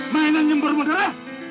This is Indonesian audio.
mainan nyembur mudara